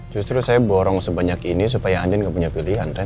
justru saya borong sebanyak ini supaya andin gak punya pilihan kan